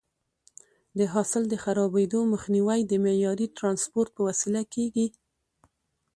د حاصل د خرابېدو مخنیوی د معیاري ټرانسپورټ په وسیله کېږي.